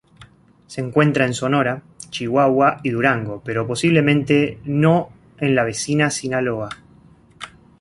Se encuentra en Sonora, Chihuahua, y Durango, pero posiblemente no en la vecina Sinaloa.